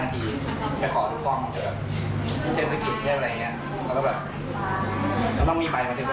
เกิดเหตุสักประมาณ๒ทุ่มได้